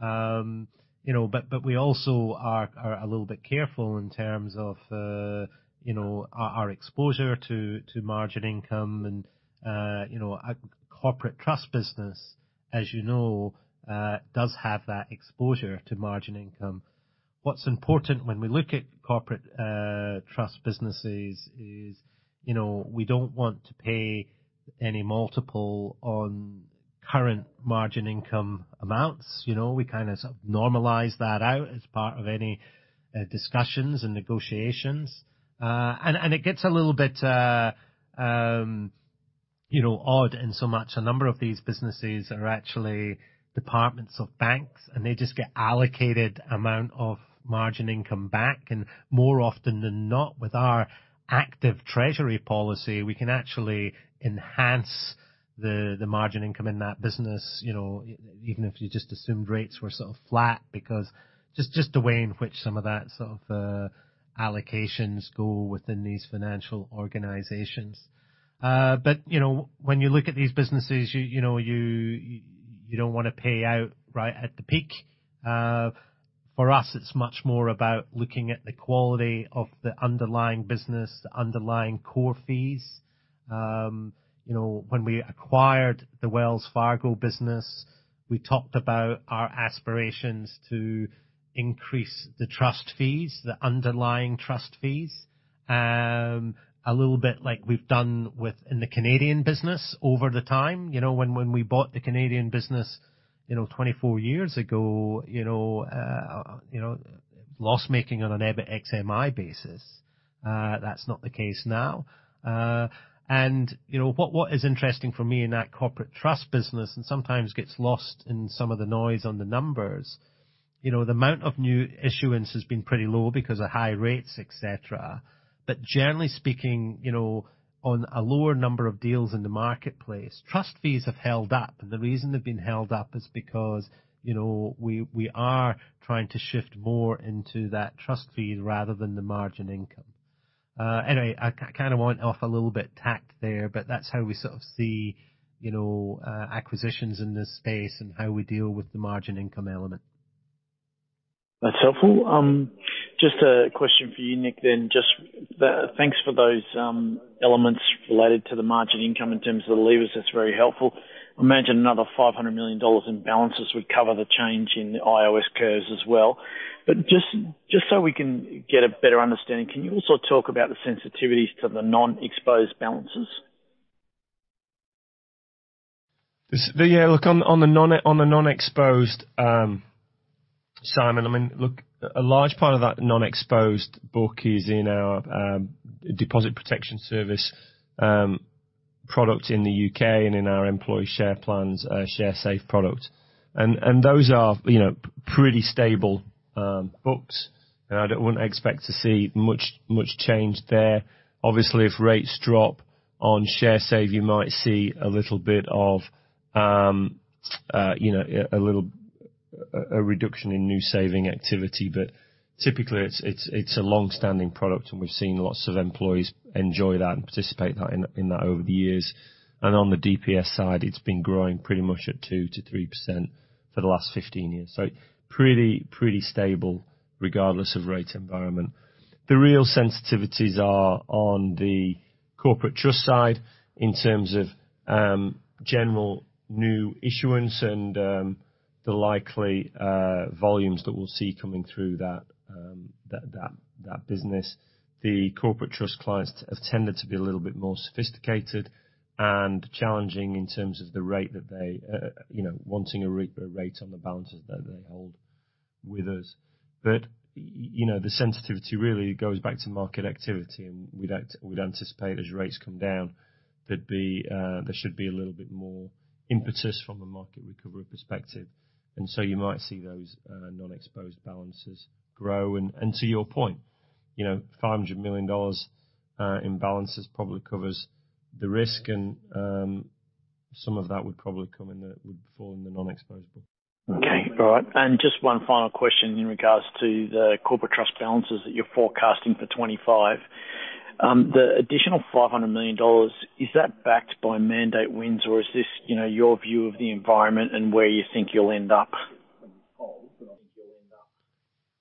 You know, but we also are a little bit careful in terms of, you know, our exposure to Margin Income and, you know, a Corporate Trust business, as you know, does have that exposure to Margin Income. What's important when we look at Corporate Trust businesses is, you know, we don't want to pay any multiple on current Margin Income amounts. You know, we kind of normalize that out as part of any discussions and negotiations. And it gets a little bit, you know, odd in so much a number of these businesses are actually departments of banks, and they just get allocated amount of Margin Income back. And more often than not, with our active treasury policy, we can actually enhance the Margin Income in that business, you know, even if you just assumed rates were sort of flat, because just the way in which some of that sort of allocations go within these financial organizations. But, you know, when you look at these businesses, you know, you don't want to pay out right at the peak. For us, it's much more about looking at the quality of the underlying business, the underlying core fees. You know, when we acquired the Wells Fargo business, we talked about our aspirations to increase the trust fees, the underlying trust fees, a little bit like we've done with in the Canadian business over the time. You know, when we bought the Canadian business, you know, 24 years ago, you know, loss-making on an EBIT ex MI basis. That's not the case now. And, you know, what is interesting for me in that Corporate Trust business, and sometimes gets lost in some of the noise on the numbers, you know, the amount of new issuance has been pretty low because of high rates, et cetera. But generally speaking, you know, on a lower number of deals in the marketplace, trust fees have held up, and the reason they've been held up is because, you know, we are trying to shift more into that trust fee rather than the Margin Income. Anyway, I kind of went off a little bit track there, but that's how we sort of see, you know, acquisitions in this space and how we deal with the Margin Income element. That's helpful. Just a question for you, Nick, then. Just, thanks for those, elements related to the Margin Income in terms of the levers. That's very helpful. I imagine another $500 million in balances would cover the change in the OIS curves as well. But just, just so we can get a better understanding, can you also talk about the sensitivities to the non-exposed balances? Yeah, look, on the non-exposed, Simon, I mean, look, a large part of that non-exposed book is in our Deposit Protection Service product in the U.K. and in our Employee Share Plans, our Sharesave product. And those are, you know, pretty stable books, and I don't want to expect to see much change there. Obviously, if rates drop on Sharesave, you might see a little bit of, you know, a reduction in new saving activity. But typically, it's a long-standing product, and we've seen lots of employees enjoy that and participate in that over the years. And on the DPS side, it's been growing pretty much at 2%-3% for the last 15 years. So pretty stable, regardless of rate environment. The real sensitivities are on the Corporate Trust side in terms of general new issuance and the likely volumes that we'll see coming through that business. The Corporate Trust clients have tended to be a little bit more sophisticated and challenging in terms of the rate that they you know wanting a rate on the balances that they hold with us. But you know, the sensitivity really goes back to market activity, and we'd anticipate as rates come down, there'd be there should be a little bit more impetus from a market recovery perspective. And so you might see those non-exposed balances grow. To your point, you know, $500 million in balances probably covers the risk, and some of that would probably fall in the non-exposed book. Okay, all right. Just one final question in regards to the Corporate Trust balances that you're forecasting for 2025. The additional $500 million, is that backed by mandate wins, or is this, you know, your view of the environment and where you think you'll end up?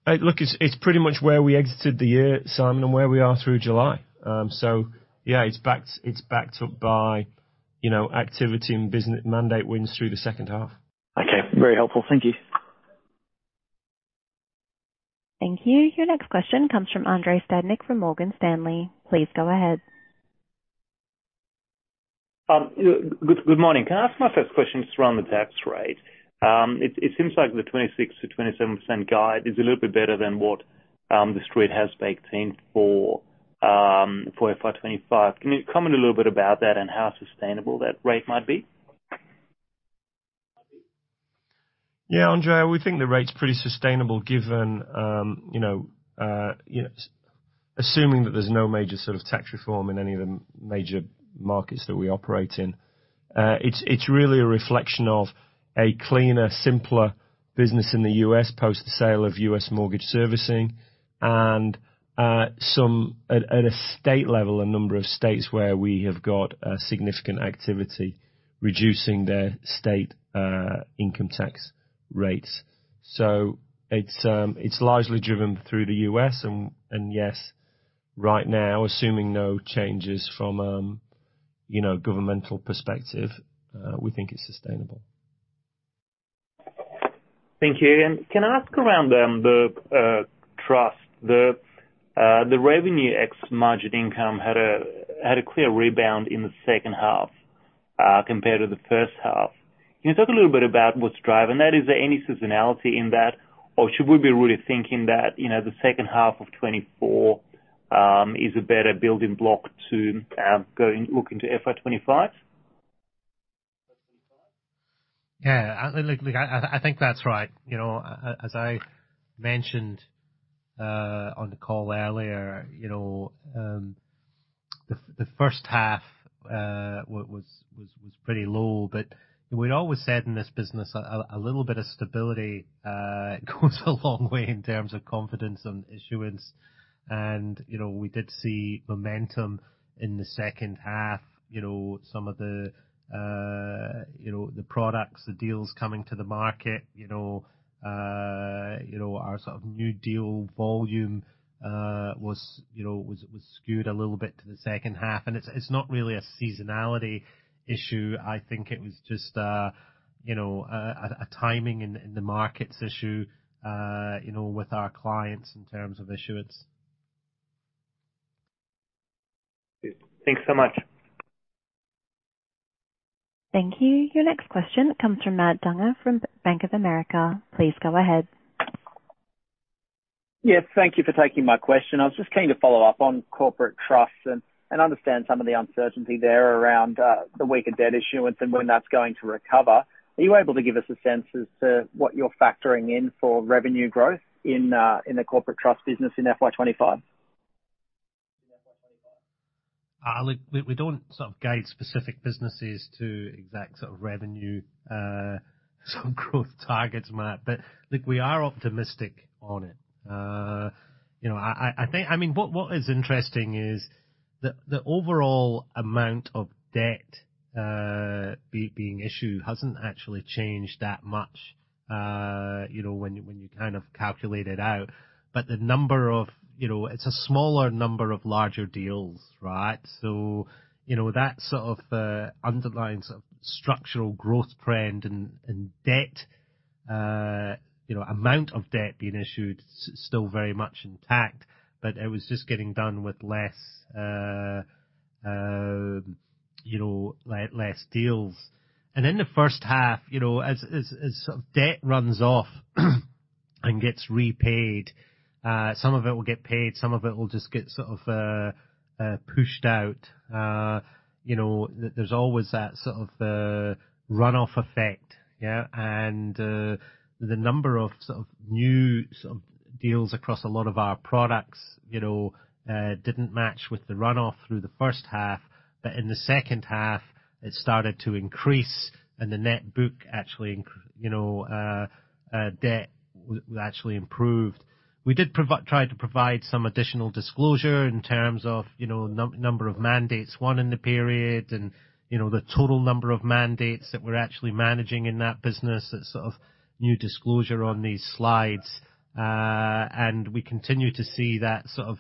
Look, it's pretty much where we exited the year, Simon, and where we are through July. So yeah, it's backed up by, you know, activity and business mandate wins through the second half. Okay. Very helpful. Thank you. Thank you. Your next question comes from Andrei Stadnik, from Morgan Stanley. Please go ahead. Good morning. Can I ask my first question just around the tax rate? It seems like the 26%-27% guide is a little bit better than what the street has baked in for FY 2025. Can you comment a little bit about that and how sustainable that rate might be? Yeah, Andrei, we think the rate's pretty sustainable, given, you know, assuming that there's no major sort of tax reform in any of the major markets that we operate in. It's really a reflection of a cleaner, simpler business in the U.S. post the sale of U.S. mortgage servicing and some at a state level, a number of states where we have got a significant activity, reducing their state income tax rates. So it's largely driven through the U.S., and yes, right now, assuming no changes from, you know, governmental perspective, we think it's sustainable. Thank you. And can I ask around the revenue ex Margin Income had a clear rebound in the second half, compared to the first half. Can you talk a little bit about what's driving that? Is there any seasonality in that, or should we be really thinking that, you know, the second half of 2024 is a better building block to going look into FY 2025? Yeah, look, I think that's right. You know, as I mentioned on the call earlier, you know, the first half was pretty low, but we'd always said in this business a little bit of stability goes a long way in terms of confidence and issuance. And, you know, we did see momentum in the second half, you know, some of the, you know, the products, the deals coming to the market, you know, our sort of new deal volume was skewed a little bit to the second half. And it's not really a seasonality issue. I think it was just a timing in the markets issue, you know, with our clients in terms of issuance. Thanks so much. Thank you. Your next question comes from Matt Dunger, from Bank of America. Please go ahead. Yes, thank you for taking my question. I was just keen to follow up on Corporate Trusts and understand some of the uncertainty there around the weaker debt issuance and when that's going to recover. Are you able to give us a sense as to what you're factoring in for revenue growth in the Corporate Trust business in FY 2025? Look, we don't sort of guide specific businesses to exact sort of revenue some growth targets, Matt, but look, we are optimistic on it. You know, I think... I mean, what is interesting is the overall amount of debt being issued hasn't actually changed that much, you know, when you kind of calculate it out, but the number of... You know, it's a smaller number of larger deals, right? So, you know, that sort of underlying sort of structural growth trend and debt, you know, amount of debt being issued still very much intact, but it was just getting done with less... you know, less deals. In the first half, you know, as sort of debt runs off and gets repaid, some of it will get paid, some of it will just get sort of pushed out. You know, there's always that sort of runoff effect, yeah? The number of sort of new sort of deals across a lot of our products, you know, didn't match with the runoff through the first half. But in the second half, it started to increase, and the net book actually you know debt actually improved. We did try to provide some additional disclosure in terms of, you know, number of mandates won in the period, and, you know, the total number of mandates that we're actually managing in that business. That sort of new disclosure on these slides. We continue to see that sort of,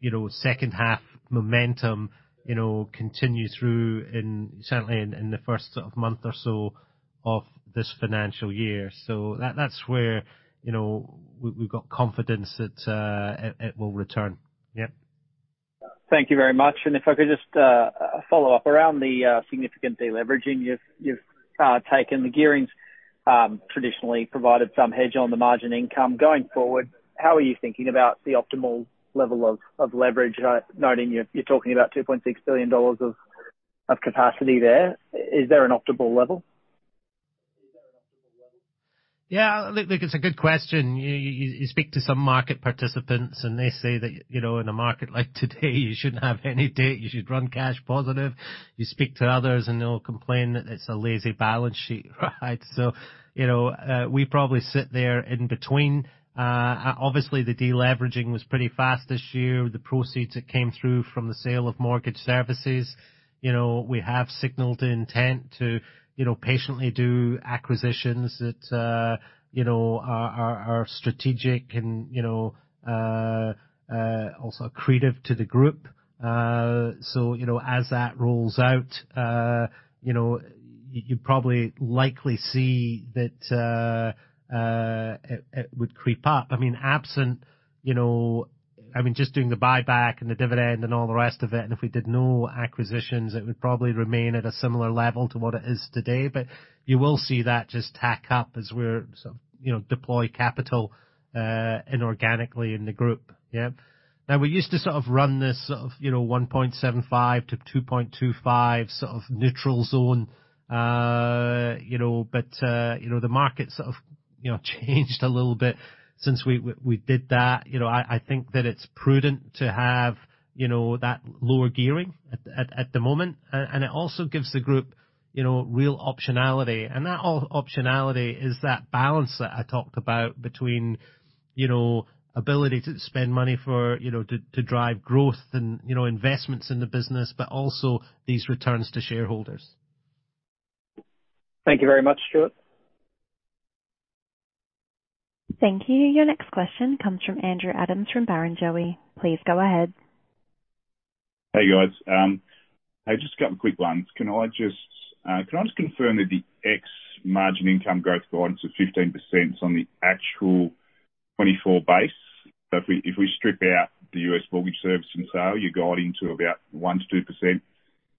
you know, second half momentum, you know, continue through in, certainly in, in the first sort of month or so of this financial year. So that's where, you know, we, we've got confidence that, it will return. Yep. Thank you very much. And if I could just follow up around the significant deleveraging you've taken. The gearings traditionally provided some hedge on the Margin Income. Going forward, how are you thinking about the optimal level of leverage, noting you're talking about $2.6 billion of capacity there? Is there an optimal level? Yeah, look, it's a good question. You speak to some market participants, and they say that, you know, in a market like today, you shouldn't have any debt. You speak to others, and they'll complain that it's a lazy balance sheet, right? So, you know, we probably sit there in between. Obviously, the deleveraging was pretty fast this year. The proceeds that came through from the sale of Mortgage Services, you know, we have signaled intent to, you know, patiently do acquisitions that, you know, are strategic and, you know, also accretive to the group. So, you know, as that rolls out, you know, you'll probably likely see that, it would creep up. I mean, absent, you know... I mean, just doing the buyback and the dividend and all the rest of it, and if we did no acquisitions, it would probably remain at a similar level to what it is today, but you will see that just tack up as we're, you know, deploy capital inorganically in the group. Yeah. Now, we used to sort of run this sort of, you know, 1.75-2.25, sort of neutral zone, you know, but, you know, the market sort of, you know, changed a little bit since we did that. You know, I think that it's prudent to have, you know, that lower gearing at the moment. And it also gives the group, you know, real optionality, and that optionality is that balance that I talked about between, you know, ability to spend money, you know, to drive growth and, you know, investments in the business, but also these returns to shareholders. Thank you very much, Stuart. Thank you. Your next question comes from Andrew Adams from Barrenjoey. Please go ahead. Hey, guys. Hey, just a couple of quick ones. Can I just, can I just confirm that the ex Margin Income growth guidance of 15% is on the actual 2024 base? So if we, if we strip out the U.S. mortgage servicing sale, you're guiding to about 1%-2%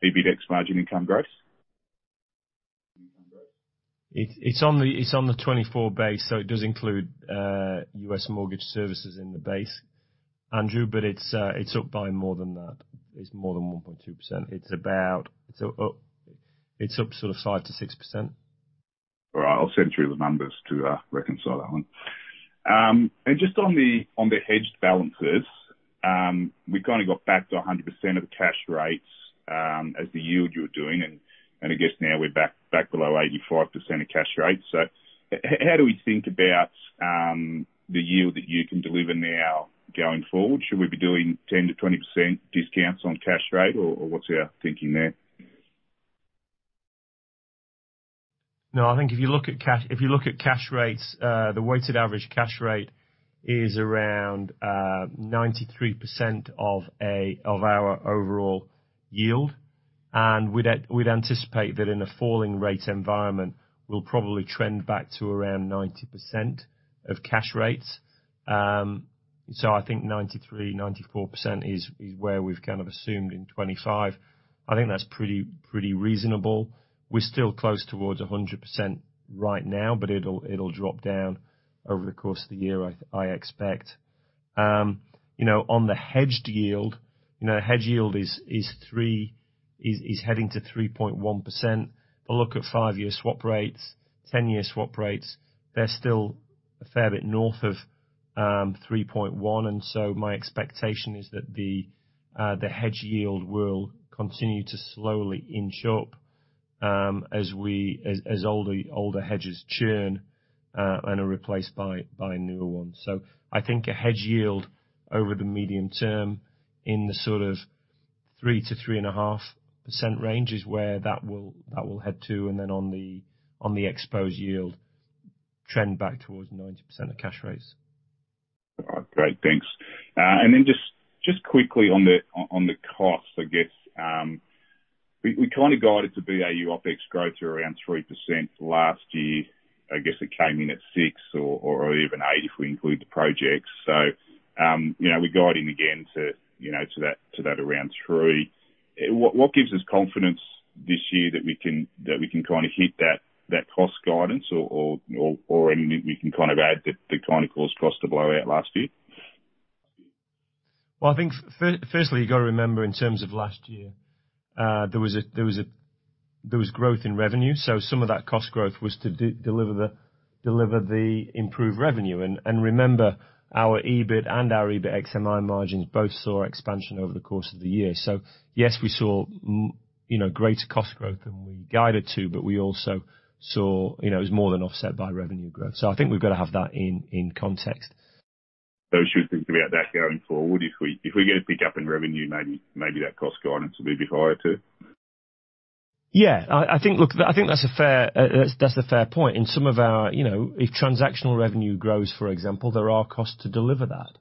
EBIT ex Margin Income growth? It's on the 24 base, so it does include U.S. Mortgage Services in the base, Andrew, but it's up by more than that. It's more than 1.2%. It's about... It's up, it's up sort of 5%-6%. All right. I'll send through the numbers to reconcile that one. And just on the hedged balances, we kind of got back to 100% of the cash rates, as the yield you're doing, and I guess now we're back, back below 85% of cash rates. So how do we think about the yield that you can deliver now going forward? Should we be doing 10%-20% discounts on cash rate, or what's our thinking there? No, I think if you look at cash, if you look at cash rates, the weighted average cash rate is around 93% of our overall yield. And we'd anticipate that in a falling rate environment, we'll probably trend back to around 90% of cash rates. So I think 93-94% is where we've kind of assumed in 2025. I think that's pretty reasonable. We're still close towards 100% right now, but it'll drop down over the course of the year, I expect. You know, on the hedged yield, you know, hedge yield is heading to 3.1%. But look at five-year swap rates, 10-year swap rates, they're still a fair bit north of 3.1, and so my expectation is that the hedge yield will continue to slowly inch up, as older hedges churn and are replaced by newer ones. So I think a hedge yield over the medium term in the sort of 3%-3.5% range is where that will head to, and then on the exposed yield, trend back towards 90% of cash rates. All right, great. Thanks. And then just quickly on the costs, I guess. We kind of guided to BAU OpEx growth around 3% last year. I guess it came in at six or even eight, if we include the projects. So, you know, we're guiding again to, you know, to that around three. What gives us confidence this year that we can kind of hit that cost guidance or anything we can kind of add that kind of caused costs to blow out last year? Well, I think firstly, you've got to remember in terms of last year, there was growth in revenue, so some of that cost growth was to deliver the improved revenue. And remember, our EBIT and our EBIT ex MI margins both saw expansion over the course of the year. So yes, we saw you know, greater cost growth than we guided to, but we also saw... You know, it was more than offset by revenue growth. So I think we've got to have that in context. We should think about that going forward. If we, if we get a pick up in revenue, maybe, maybe that cost guidance will be higher, too? Yeah. I think... Look, I think that's a fair point. In some of our, you know, if transactional revenue grows, for example, there are costs to deliver that.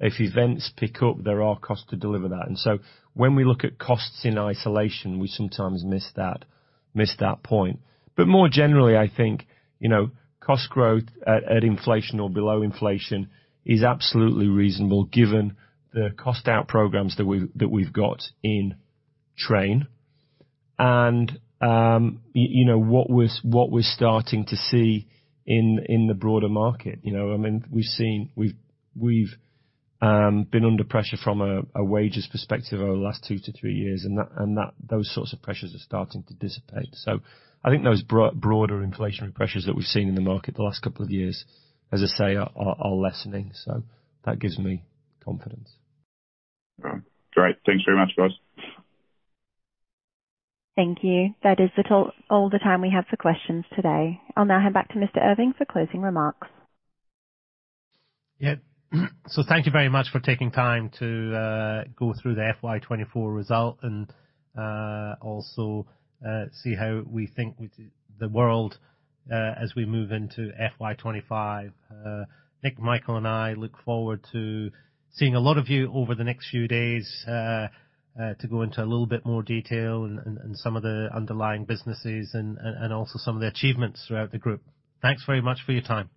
If events pick up, there are costs to deliver that. And so when we look at costs in isolation, we sometimes miss that, miss that point. But more generally, I think, you know, cost growth at inflation or below inflation is absolutely reasonable given the cost out programs that we, that we've got in train. And, you know, what we're starting to see in the broader market. You know, I mean, we've seen we've been under pressure from a wages perspective over the last two to three years, and that those sorts of pressures are starting to dissipate. So I think those broader inflationary pressures that we've seen in the market the last couple of years, as I say, are lessening, so that gives me confidence. Great. Thanks very much, guys. Thank you. That is all the time we have for questions today. I'll now hand back to Mr. Irving for closing remarks. Yeah. So thank you very much for taking time to go through the FY 2024 result and also see how we think with the world as we move into FY 2025. Nick, Michael, and I look forward to seeing a lot of you over the next few days to go into a little bit more detail and some of the underlying businesses and also some of the achievements throughout the group. Thanks very much for your time.